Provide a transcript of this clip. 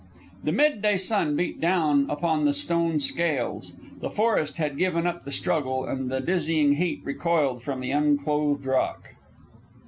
The mid day sun beat down upon the stone "Scales." The forest had given up the struggle, and the dizzying heat recoiled from the unclothed rock.